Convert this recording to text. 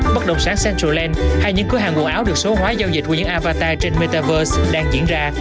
bất đồng sáng centraland hay những cửa hàng nguồn áo được số hóa giao dịch của những avatar trên metaverse đang diễn ra